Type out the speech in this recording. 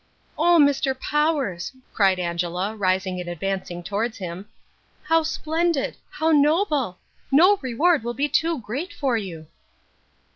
"Oh, Mr. Powers," cried Angela, rising and advancing towards him, "how splendid! How noble! No reward will be too great for you."